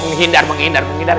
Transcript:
penghindar penghindar penghindar